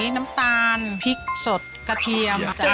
น้ำตาลพริกสดกระเทียม